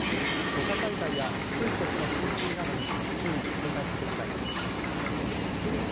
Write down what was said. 土砂災害や低い土地の浸水などに注意、警戒してください。